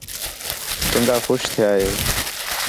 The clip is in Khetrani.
چَنڳا خوش تِھیا ہِے